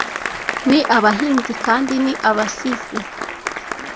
ni abahinzi kandi ni abasizi